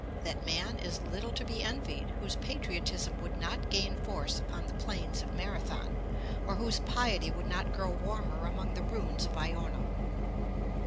That man is little to be envied whose patriotism would not gain force upon the plains of Marathon, or whose piety would not grow warmer among the ruins of Iona.'